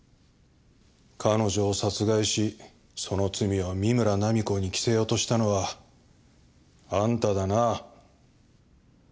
彼女を殺害しその罪を三村菜実子に着せようとしたのはあんただな？